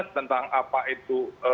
tentang apa itu